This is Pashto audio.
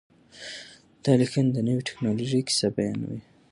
دا لیکنه د نوې ټکنالوژۍ کیسه بیانوي.